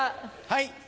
はい。